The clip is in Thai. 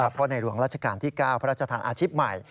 เพราะในหลวงราชการที่๙พระราชทางอาชีพใหม่